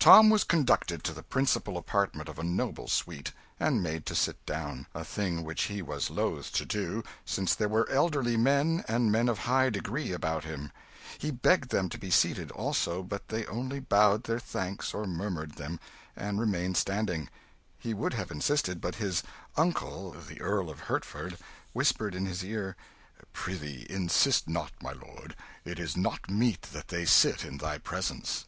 Tom was conducted to the principal apartment of a noble suite, and made to sit down a thing which he was loth to do, since there were elderly men and men of high degree about him. He begged them to be seated also, but they only bowed their thanks or murmured them, and remained standing. He would have insisted, but his 'uncle' the Earl of Hertford whispered in his ear "Prithee, insist not, my lord; it is not meet that they sit in thy presence."